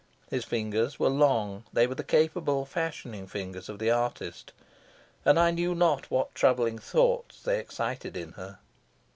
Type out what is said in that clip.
His fingers were long; they were the capable, fashioning fingers of the artist; and I know not what troubling thoughts they excited in her.